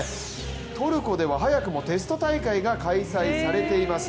トルコでは早くもテスト大会が開催されています。